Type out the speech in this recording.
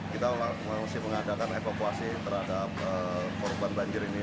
kita masih mengadakan evakuasi terhadap korban banjir ini